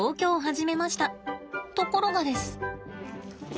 ところがです。